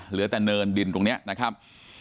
เหลือแต่เนินดินตรงนี้นะครับ